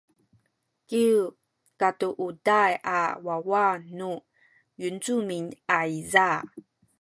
kyu katuuday a wawa nu yincumin ayza